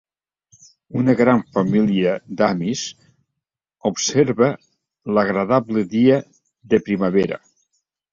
Una gran família d'Amish observa l'agradable dia de primavera